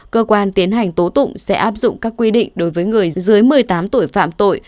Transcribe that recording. cơ quan tiến hành tố tụng sẽ áp dụng các quy định đối với người dưới một mươi tám tuổi phạm tội